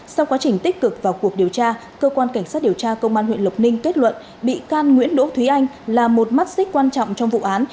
sau quá trình tích cực vào cuộc điều tra cơ quan cảnh sát điều tra công an huyện lộc ninh kết luận bị can nguyễn đỗ thúy anh là một mắt xích quan trọng trong vụ án